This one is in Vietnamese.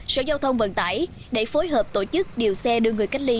sở giao thông vận tải để phối hợp tổ chức điều xe đưa người cách ly